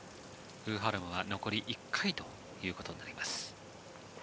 ウ・ハラムは残り１回ということになります。